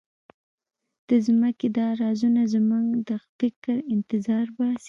د ځمکې دا رازونه زموږ د فکر انتظار باسي.